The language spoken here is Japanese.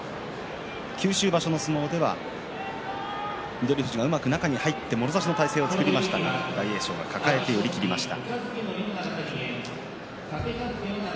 九州場所の相撲では翠富士が、うまく中に入ってもろ差しの体勢を作りましたが大栄翔が抱えて寄り切りました。